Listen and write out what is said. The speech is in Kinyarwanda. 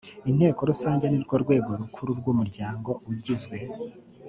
inteko rusange ni rwo rwego rukuru rw umuryango igizwe